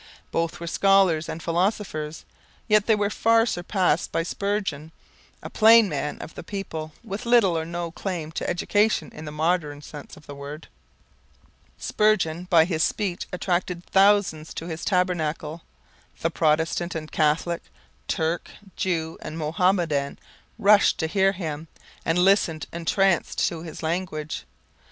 Both were scholars and philosophers, yet they were far surpassed by Spurgeon, a plain man of the people with little or no claim to education in the modern sense of the word. Spurgeon by his speech attracted thousands to his Tabernacle. The Protestant and Catholic, Turk, Jew and Mohammedan rushed to hear him and listened, entranced, to his language.